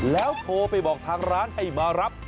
แล้วโทรไปบอกทางร้านให้มารับ